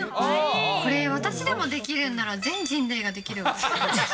これ、私でもできるんなら、全人類ができる。